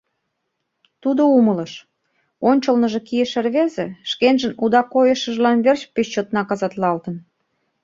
Тудо умылыш: ончылныжо кийыше рвезе шкенжын уда койышыжлан верч пеш чот наказатлалтын.